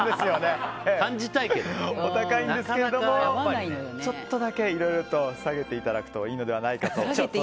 お高いんですけどもちょっとだけ、いろいろと下げていただくといいのではと。